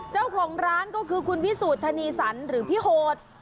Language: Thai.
เจ้าของร้านก็คือคุณพิสูจนธนีสันหรือพี่โหด